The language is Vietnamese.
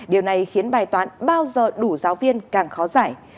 điều này khiến bài toán bao giờ đủ giáo viên càng khó giải